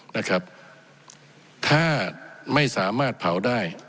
นะครับถ้าไม่สามารถเผาได้